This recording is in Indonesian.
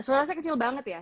suara saya kecil banget ya